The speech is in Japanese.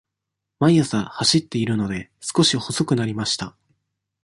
毎朝走っているので、少し細くなりました。